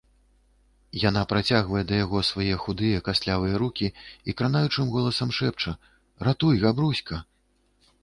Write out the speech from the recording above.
Яна працягвае да яго свае худыя кастлявыя рукi i канаючым голасам шэпча: "Ратуй, Габруська!..